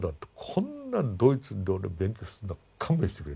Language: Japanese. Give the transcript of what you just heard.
こんなドイツで俺勉強するのは勘弁してくれ。